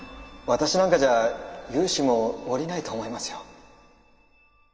私なんかじゃ融資もおりないと思いますよ。